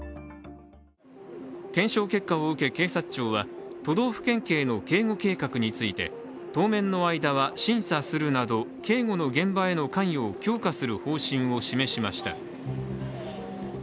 検証結果を受け、警察庁は都道府県警の警護計画について当面の間は、審査するなど警護の現場への関与を強化する方針を示しました。